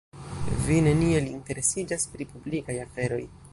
Vi neniel interesiĝas pri publikaj aferoj.